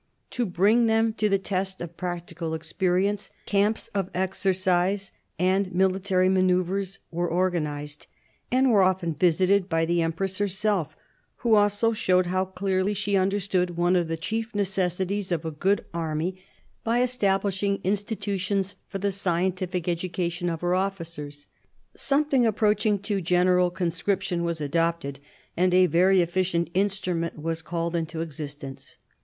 ' To bring them to the test of practical experience, camps of exercise and military manoeuvres were organised, and were often visited by the empress herself, who also showed how clearly she understood one of the chief necessities of a good army by estab 72 MARIA THERESA chap, iv lishing institutions for the scientific education of her officers. Something approaching to general conscription was adopted, and a very efficient instrument was called into existence.